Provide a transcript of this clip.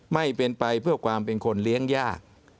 ไม่เป็นไปเพื่อความเป็นคนเลี้ยงยาก